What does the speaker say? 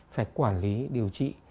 phải quản lý điều trị